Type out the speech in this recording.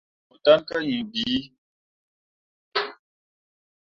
Mo ɗǝn kah hiŋ bii.